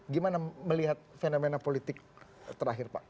gimana melihat fenomena politik terakhir pak